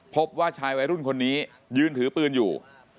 พบว่าชายวัยรุ่นคนนี้ยืนถือปืนอยู่